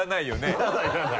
いらないいらない。